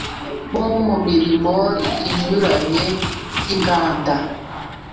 Bo mu mirimo inyuranye y inganda